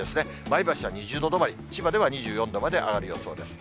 前橋は２０度止まり、千葉では２４度まで上がる予想です。